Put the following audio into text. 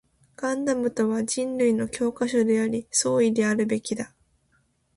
ガンダムとは人類の教科書であり、総意であるべきだ